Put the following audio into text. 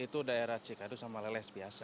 itu daerah cikadu sama leles biasa